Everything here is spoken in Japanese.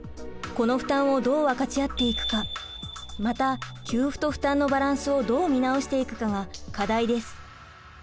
この負担をどう分かち合っていくかまた給付と負担のバランスをどう見直していくかが課題です。